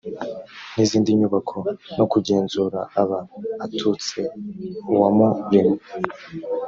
n inzindi nyubako no kugenzura aba atutse uwamuremye